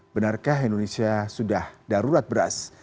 benarkah indonesia sudah darurat beras